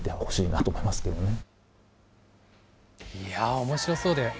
おもしろそうで。